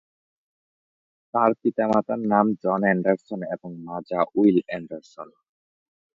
তার পিতামাতার নাম জন অ্যান্ডারসন এবং মাজা উইল অ্যান্ডারসন।